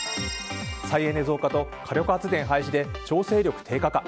再エネ増加と火力発電廃止で調整力低下か。